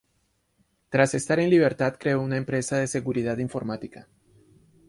Tras estar en libertad creó una empresa de seguridad informática.